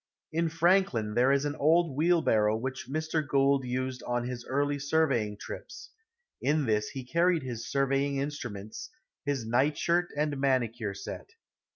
In Franklin there is an old wheelbarrow which Mr. Gould used on his early surveying trips. In this he carried his surveying instruments, his night shirt and manicure set.